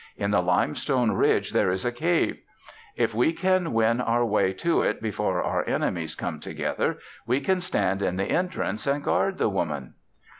In the limestone ridge there is a cave. If we can win our way to it before our enemies come together, we can stand in the entrance and guard the Woman."